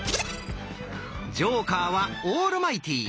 ジョーカーはオールマイティー。